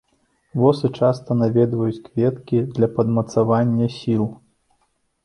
Восы часта наведваюць кветкі для падмацавання сіл.